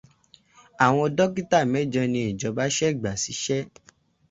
Àwọn dókítà mẹ́jọ ni Ìjọba ṣẹ̀ gbà sí iṣẹ́.